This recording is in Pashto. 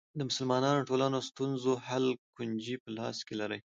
د مسلمانو ټولنو ستونزو حل کونجي په لاس کې لري.